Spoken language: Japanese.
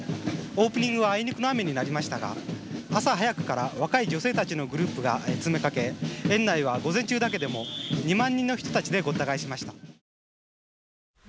オープニングはあいにくの雨になりましたが朝早くから若い女性たちのグループが詰めかけ園内は午前中だけでも２万人の人たちでごった返しました。